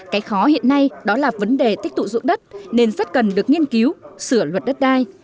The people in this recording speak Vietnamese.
cái khó hiện nay đó là vấn đề tích tụ dụng đất nên rất cần được nghiên cứu sửa luật đất đai